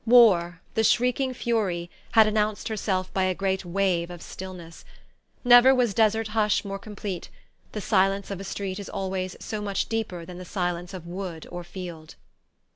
War, the shrieking fury, had announced herself by a great wave of stillness. Never was desert hush more complete: the silence of a street is always so much deeper than the silence of wood or field.